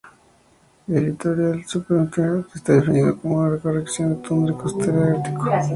El litoral septentrional está definido como una ecorregión de la Tundra Costera del Ártico.